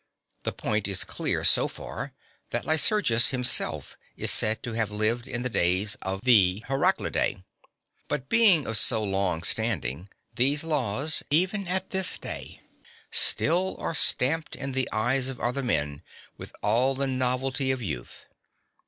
The point is clear so far, that Lycurgus himself is said to have lived in the days of the Heraclidae. (7) But being of so long standing, these laws, even at this day, still are stamped in the eyes of other men with all the novelty of youth.